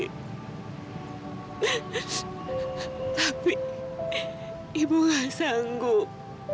tapi ibu gak sanggup